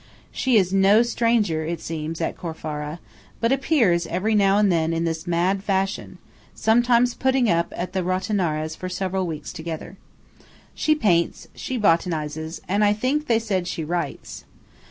She is no stranger, it seems, at Corfara, but appears every now and then in this mad fashion, sometimes putting up at the Rottenaras for several weeks together. She paints, she botanises, and I think they said she writes.